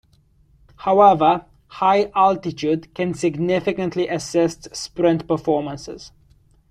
However, high altitude can significantly assist sprint performances.